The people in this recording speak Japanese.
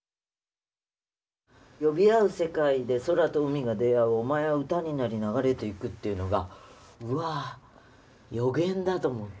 「呼び合う世界で空と海が出会うおまえは歌になり流れていく」っていうのがうわ予言だと思って。